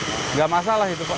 enggak masalah itu kok